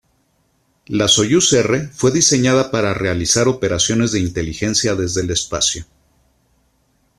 La Soyuz R fue diseñada para realizar operaciones de inteligencia desde el espacio.